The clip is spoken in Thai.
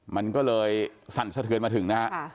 มันก็เลยสั่นสะเทือนมาถึงนะฮะ